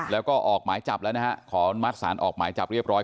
แล้วก็ออกหมายจับแล้วนะครับขอมัดสารออกหมายจับเรียบร้อย